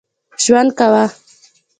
ژوند کاوه.